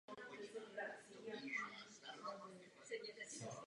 Před evropskou kolonizací zde žilo nejméně sedm domorodých kmenů hovořících dvaceti jazyky.